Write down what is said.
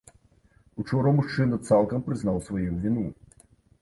Учора мужчына цалкам прызнаў сваю віну.